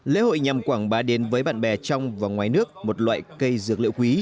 lễ hội nhằm quảng bá đến với bạn bè trong và ngoài nước một loại cây dược liệu quý